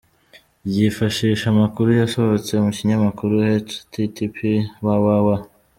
Ryifashisha amakuru yasohotse mu kinyamakuru http: www.